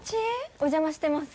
お邪魔してます